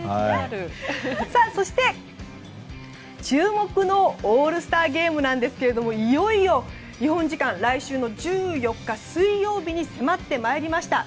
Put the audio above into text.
そして注目のオールスターゲームですがいよいよ、日本時間来週１３日の水曜日に迫ってまいりました。